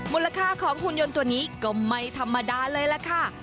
มูลค่าของหุ่นยนต์ตัวนี้ก็ไม่ธรรมดาเลยล่ะค่ะ